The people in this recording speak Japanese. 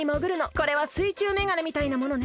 これはすいちゅうメガネみたいなものね。